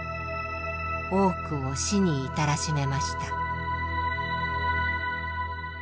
多くを死に至らしめました。